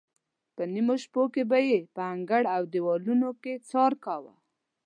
په نیمو شپو به یې په انګړ او دیوالونو کې څار کاوه.